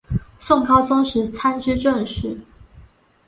宋高宗时参知政事。